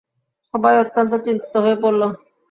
সবাই অত্যন্ত চিন্তিত হয়ে পড়ল।